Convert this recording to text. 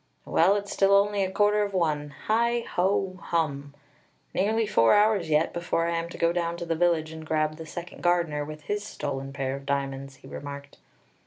"Well, it's still only a quarter of one. Hi! Ho! Hum! Nearly four hours yet before I am to go down to the village and grab the second gardener with his stolen pair of diamonds!" he remarked.